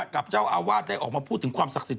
กับเจ้าอาวาสได้ออกมาพูดถึงความศักดิ์สิท